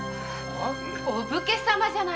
お武家様じゃないか？